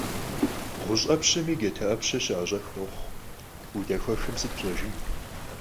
ГъущӀ Ӏэпщэми джатэ Ӏэпщэр щыӀэщӀэху къохъу: удэхуэхмэ, сыт пщӀэжын?